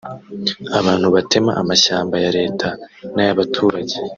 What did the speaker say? abantu batema amashyamba ya Leta n’aya baturage